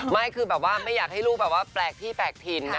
ไม่คือไม่อยากให้ลูกแปลกที่แปลกถิ่น